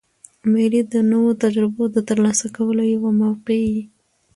مېلې د نوو تجربو د ترلاسه کولو یوه موقع يي.